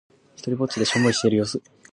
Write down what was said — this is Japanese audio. ひとりっぼちでしょんぼりしている様子。